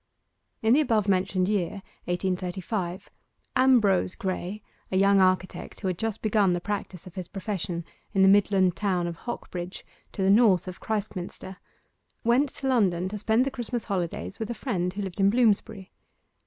In the above mentioned year, 1835, Ambrose Graye, a young architect who had just begun the practice of his profession in the midland town of Hocbridge, to the north of Christminster, went to London to spend the Christmas holidays with a friend who lived in Bloomsbury.